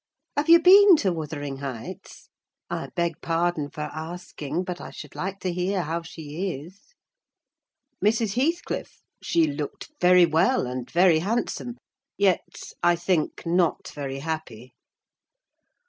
Have you been to Wuthering Heights? I beg pardon for asking; but I should like to hear how she is!" "Mrs. Heathcliff? she looked very well, and very handsome; yet, I think, not very happy."